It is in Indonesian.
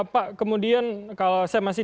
pak kemudian kalau saya masih